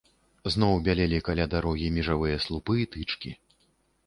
Зноў бялелі каля дарогі межавыя слупы і тычкі.